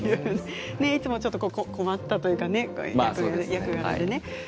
いつもちょっと困ったというかね役柄でね。